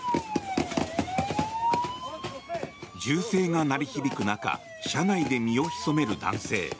銃声が鳴り響く中車内で身を潜める男性。